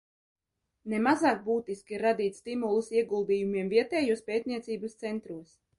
Ne mazāk būtiski ir radīt stimulus ieguldījumiem vietējos pētniecības centros.